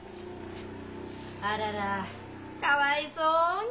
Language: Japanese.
あららかわいそうに。